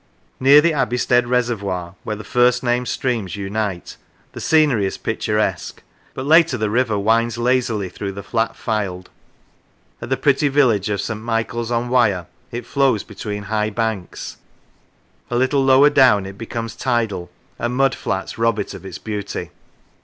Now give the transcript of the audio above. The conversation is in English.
Near the Abbeystead Reservoir, where the first named streams unite, the scenery is picturesque, 118 The Rivers but later the river winds lazily through the flat Fylde; at the pretty village of St. Michael's on Wyre it flows between high banks; a little lower down it becomes tidal, and mud flats rob it of its beauty.